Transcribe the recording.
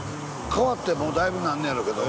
変わってもうだいぶなんねやろけど。